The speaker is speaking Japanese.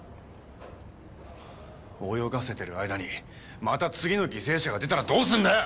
泳がせてる間にまた次の犠牲者が出たらどうするんだよ！